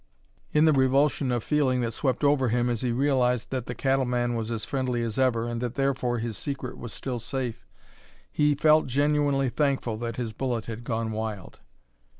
In the revulsion of feeling that swept over him as he realized that the cattleman was as friendly as ever and that therefore his secret was still safe, he felt genuinely thankful that his bullet had gone wild.